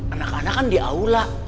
anak anak kan di aula